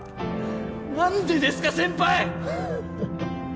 何でですか先輩！